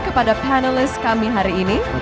kepada panelis kami hari ini